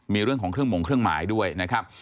มีเรื่องของเครื่องหม่งเครื่องหมายด้วยนะครับ